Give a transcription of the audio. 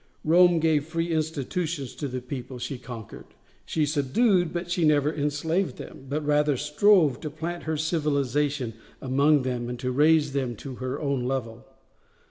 Rome gave free institutions to the people she conquered, she subdued but she never enslaved them, but rather strove to plant her civilization among them and to raise them to her own level.